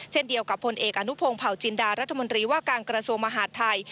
เช่นเดียวกับผลเอกอนุพงศ์เผาจินดารัฐมนตรีว่าการกระทรวงมหาดไทย